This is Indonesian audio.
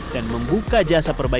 dan membuka jasa perbukaan